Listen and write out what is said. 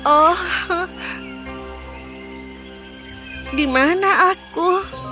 oh di mana aku